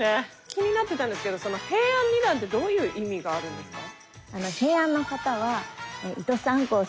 気になってたんですけど平安二段ってどういう意味があるんですか？